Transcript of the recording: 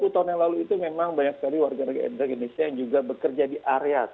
sepuluh tahun yang lalu itu memang banyak sekali warga negara indonesia yang juga bekerja di area